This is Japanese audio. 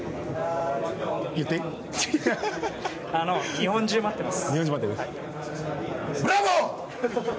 日本中が待ってます。